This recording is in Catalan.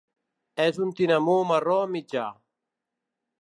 És un tinamú marró mitjà.